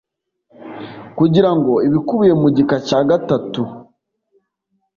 Kugira ngo ibikubiye mu gika cya gatatu